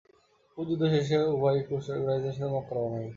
উহুদ যুদ্ধ শেষে উবাই কুরাইশদের সাথে মক্কা রওনা হয়।